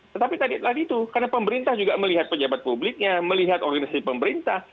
tetapi tadi itu karena pemerintah juga melihat pejabat publiknya melihat organisasi pemerintah